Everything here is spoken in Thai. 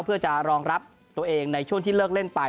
เพื่อจะรองรับตัวเองในช่วงที่เลิกเล่นไป